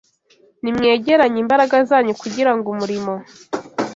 Nimwegeranye imbaraga zanyu kugira ngo umurimo